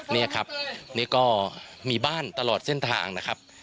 นี่ครับนี่ก็มีบ้านตลอดเส้นทางนะครับ